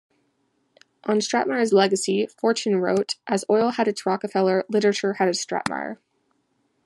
On Stratemeyer's legacy, "Fortune" wrote: "As oil had its Rockefeller, literature had its Stratemeyer.